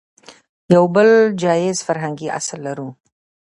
يو بل جايز فرهنګي اصل لرو